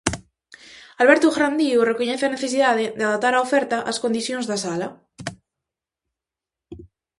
Alberto Grandío recoñece a necesidade de adaptar a oferta ás condicións da sala.